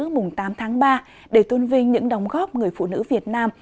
mùng tám tháng ba để tôn vinh những đóng góp người phụ nữ việt nam